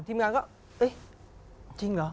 ทีมงานก็เอ๊ะจริงเหรอ